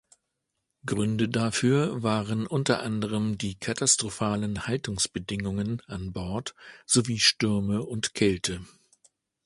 Gründe dafür waren unter anderem die katastrophalen Haltungsbedingungen an Bord sowie Stürme und Kälte.